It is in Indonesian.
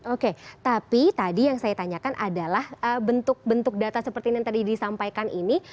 oke tapi tadi yang saya tanyakan adalah bentuk bentuk data seperti ini yang tadi disampaikan ini